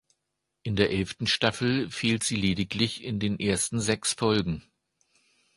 In der elften Staffel fehlt sie lediglich in den ersten sechs Folgen.